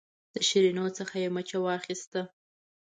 د شیرینو څخه یې مچه واخیسته.